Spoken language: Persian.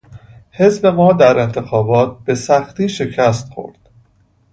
حزب ما در انتخابات به سختی شکست خورد.